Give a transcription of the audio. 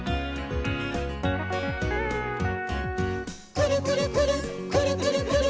「くるくるくるっくるくるくるっ」